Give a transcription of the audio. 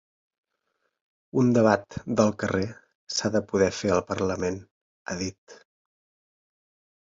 Un debat del carrer s’ha de poder fer al parlament, ha dit.